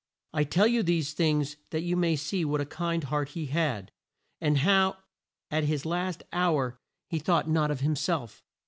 I tell you these things that you may see what a kind heart he had, and how at his last hour he thought not of him self.